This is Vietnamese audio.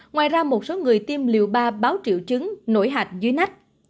ngoài ra một số người tiêm liều ba báo triệu chứng nổi hạch dưới nách